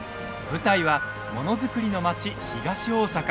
舞台はものづくりの町、東大阪。